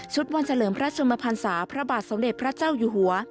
วันเฉลิมพระชมพันศาพระบาทสมเด็จพระเจ้าอยู่หัว